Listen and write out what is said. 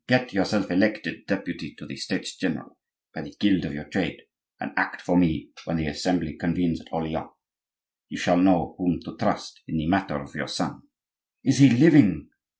"Get yourself elected deputy to the States general, by the guild of your trade, and act for me when the Assembly convenes at Orleans; you shall know whom to trust in the matter of your son." "Is he living?"